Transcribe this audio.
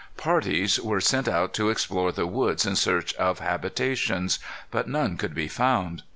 Parties were sent out to explore the woods in search of habitations. But none could be found.